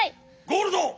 ゴールド！